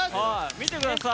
見てください。